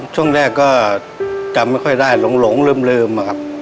ช่วงแรกก็จำไม่ค่อยได้หลงลืมอะครับ